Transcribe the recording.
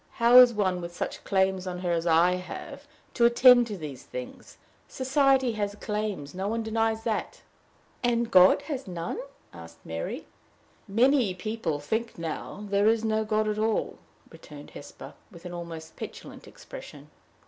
"How is one with such claims on her as I have, to attend to these things? Society has claims: no one denies that." "And has God none?" asked Mary. "Many people think now there is no God at all," returned Hesper, with an almost petulant expression.